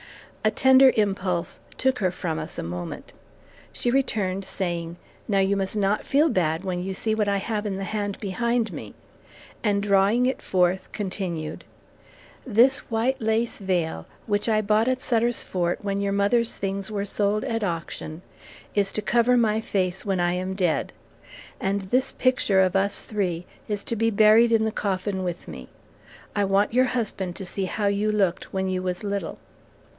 A tender impulse took her from us a moment. She returned, saying, "Now, you must not feel bad when you see what I have in the hand behind me," and drawing it forth continued, "This white lace veil which I bought at Sutter's Fort when your mother's things were sold at auction, is to cover my face when I am dead; and this picture of us three is to be buried in the coffin with me. I want your husband to see how you looked when you was little."